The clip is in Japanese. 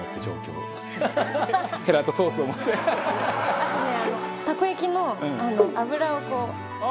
あとね。